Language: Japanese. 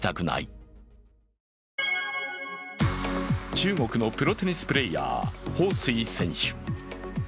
中国のプロテニスプレーヤー彭帥選手。